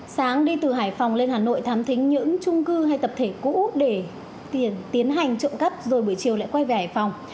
sáng đi từ hải phòng lên hà nội thám thính những trung cư hay tập thể cũ để tiền tiến hành trộm cắp rồi buổi chiều lại quay về hải phòng